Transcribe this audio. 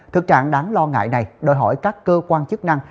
thực trạng đáng lo ngại này đòi hỏi các cơ quan chức năng